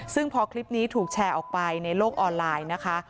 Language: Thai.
ซึ่งพอคลิปนี้ถูกแชร์ออกไปในโลกออนไลน์นะคะ